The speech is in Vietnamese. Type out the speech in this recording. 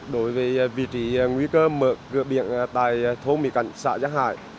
đối với vị trí nguy cơ mở cửa biển tại thôn mỹ cảnh xã giang hải